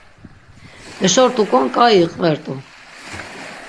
Eşo rt̆uǩon ǩai iqve rt̆u.